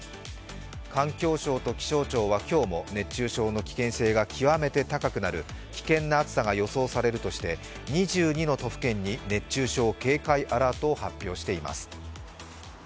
環境省と気象庁は今日も熱中症の危険性が極めて高くなる危険な暑さが予想されるとして２２の都府県に熱中症警戒アラートを発表しています。